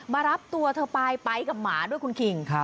มารับตัวเธอไปไปกับหมาด้วยคุณคิง